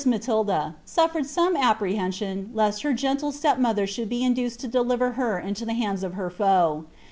Matilda Birflcred some apprehension lest her gentle atep ir be induced to deliver her into ihe hands of her foe.